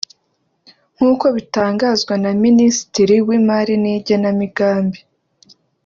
nk’uko bitangazwa na Minisitiri w’Imari n’igenamigambi